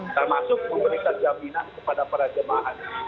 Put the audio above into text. termasuk memberikan jaminan kepada para jemaah